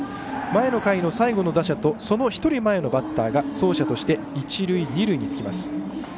前の回の最後の打者とその１人前のバッターが走者として一塁二塁につきます。